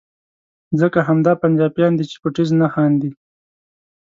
ځکه همدا پنجابیان دي چې په ټیز نه خاندي.